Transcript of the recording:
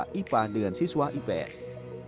antar siswa ipa dengan siswa ips